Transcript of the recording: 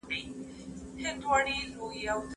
که مسلمان ذمي ووژني نو قصاص به سي.